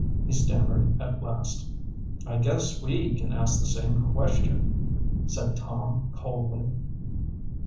he stammered at last. "I guess we can ask the same question," said Tom coldly.